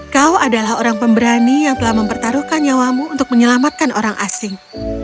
kau adalah orang pemberani yang telah mempertaruhkan nyawamu untuk menyelamatkan orang asing